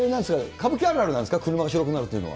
歌舞伎あるあるなんですか、車が白くなるっていうのは。